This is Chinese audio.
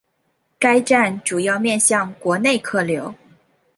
该站主要面向国内客流。